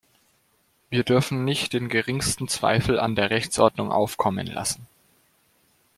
Wir dürfen nicht den geringsten Zweifel an der Rechtsordnung aufkommen lassen.